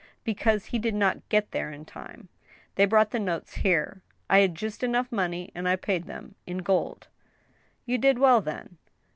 " Because he did not get there in time. They brought the notes here. I had just enough money, and I paid them, in gold." "You did well, then."